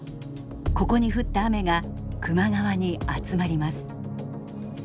ここに降った雨が球磨川に集まります。